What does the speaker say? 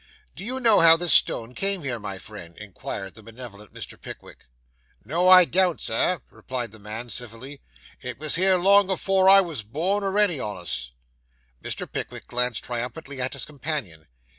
'Do you know how this stone came here, my friend?' inquired the benevolent Mr. Pickwick. 'No, I doan't, Sir,' replied the man civilly. 'It was here long afore I was born, or any on us.' Mr. Pickwick glanced triumphantly at his companion.